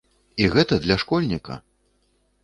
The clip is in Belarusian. І гэта для школьніка!